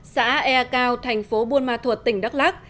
xã ea cao thành phố buôn ma thuột tỉnh đắk lắc